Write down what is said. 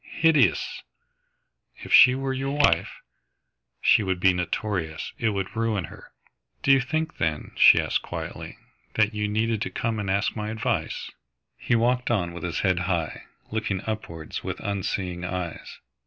"Hideous!" "If she were your wife ?" "She would be notorious. It would ruin her." "Do you think, then," she asked quietly, "that you needed to come and ask my advice?" He walked on with his head high, looking upwards with unseeing eyes.